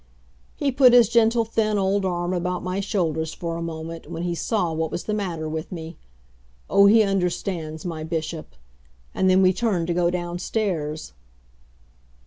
He put his gentle thin old arm about my shoulders for a moment when he saw what was the matter with me. Oh, he understands, my Bishop! And then we turned to go downstairs.